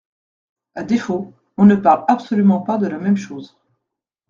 À défaut, on ne parle absolument pas de la même chose.